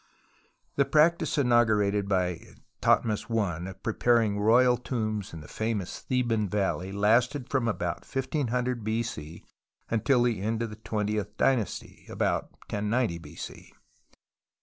The practice inaugurated by Thothmes I of preparing royal tombs in the famous Theban Valley lasted from about 1500 b.c. until the end of the twentieth dynasty, about 1090 b.c.